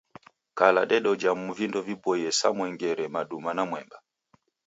Kala dedojha vindo viboie sa marenge, maduma na mwemba.